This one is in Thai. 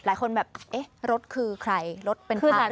หลายคนแบบรถคือใครรถเป็นข้าวหรือเปล่า